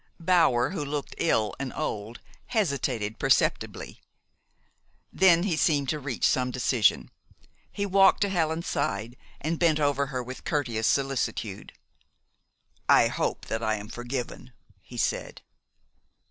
Bower, who looked ill and old, hesitated perceptibly. Then he seemed to reach some decision. He walked to Helen's side, and bent over her with courteous solicitude. "I hope that I am forgiven," he said.